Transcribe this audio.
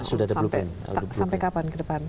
sampai kapan kedepan